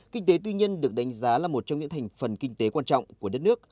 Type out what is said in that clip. kinh tế tư nhân được đánh giá là một trong những thành phần kinh tế quan trọng của đất nước